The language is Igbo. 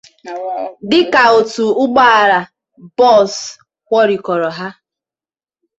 dịka otu ụgbọala bọọsụ kwọrikọrọ ha.